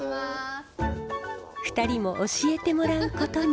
２人も教えてもらうことに。